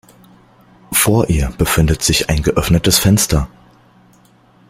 Vor ihr befindet sich ein geöffnetes Fenster.